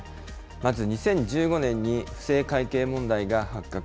まず２０１５年に、不正会計問題が発覚。